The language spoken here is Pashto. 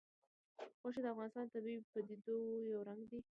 غوښې د افغانستان د طبیعي پدیدو یو رنګ دی.